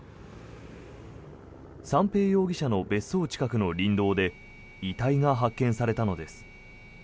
三瓶容疑者の別荘近くの林道で遺体が発見されたのです。